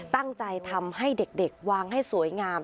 ตั้งใจทำให้เด็กวางให้สวยงาม